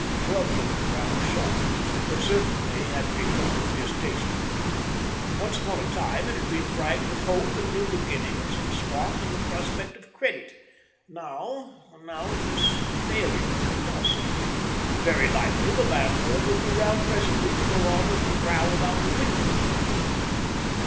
Grubb looked round the shop. It certainly had become distasteful. Once upon a time it had been bright with hope and new beginnings and stock and the prospect of credit. Now now it was failure and dust. Very likely the landlord would be round presently to go on with the row about the window....